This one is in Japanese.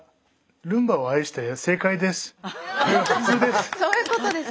ルンバを愛して正解です。